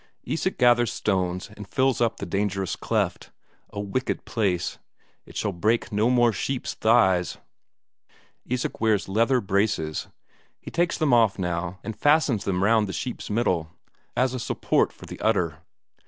Isak gathers stones and fills up the dangerous cleft; a wicked place; it shall break no more sheep's thighs! Isak wears leather braces; he takes them off now and fastens them round the sheep's middle, as a support for the udder.